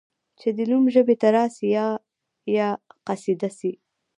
چي دي نوم ژبي ته راسي یا یا قصیده سي